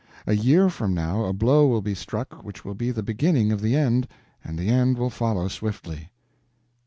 A year from now a blow will be struck which will be the beginning of the end, and the end will follow swiftly."